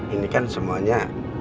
ini kan semuanya